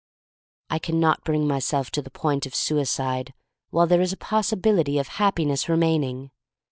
I can not bring myself to the point of suicide while there is a possibility of Happiness remaining.